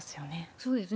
そうですね。